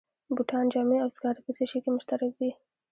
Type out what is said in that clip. بوټان، جامې او سکاره په څه شي کې مشترک دي